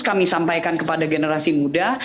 kami sampaikan kepada generasi muda